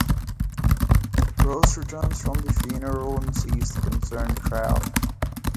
Rose returns from the funeral and sees the concerned crowd.